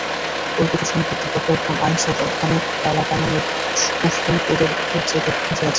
অর্পিত সম্পত্তি প্রত্যর্পণ আইনসহ অনেক কালাকানুনের কুফল তাদের ওপর চেপে বসে আছে।